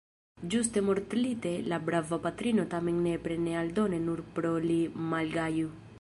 Ĝuste mortlite la brava patrino tamen nepre ne aldone nur pro li malgaju.